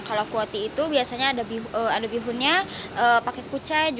kalau kuotie itu biasanya ada bihunnya pakai kucai